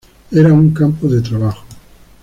Era un campo de trabajo.